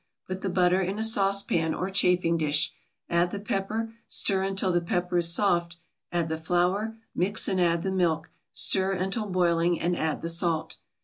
Put the butter in a saucepan or chafing dish, add the pepper, stir until the pepper is soft, add the flour, mix and add the milk, stir until boiling, and add the salt.